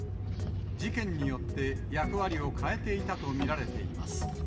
事件によって役割を変えていたと見られています。